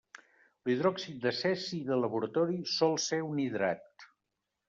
L'hidròxid de cesi de laboratori sol ser un hidrat.